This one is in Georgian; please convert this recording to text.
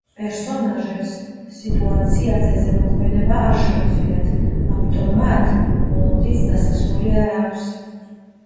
პერსონაჟებს სიტუაციაზე ზემოქმედება არ შეუძლიათ, ამიტომ მათ მოლოდინს დასასრული არ აქვს.